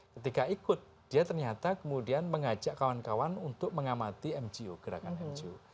ketika ikut dia ternyata kemudian mengajak kawan kawan untuk mengamati mgo gerakan mgo